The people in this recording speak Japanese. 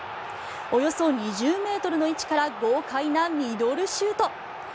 およそ２０ｍの位置から豪快なミドルシュート。